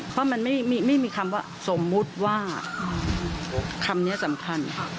เพราะมันไม่มีคำว่าสมมุติว่าคำนี้สำคัญ